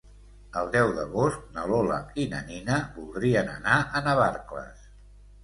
El deu d'agost na Lola i na Nina voldrien anar a Navarcles.